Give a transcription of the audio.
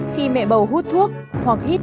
khi mẹ bầu hút thuốc hoặc hít